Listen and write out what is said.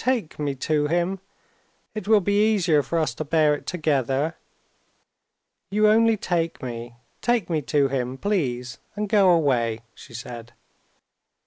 take me to him; it will be easier for us to bear it together. You only take me, take me to him, please, and go away," she said.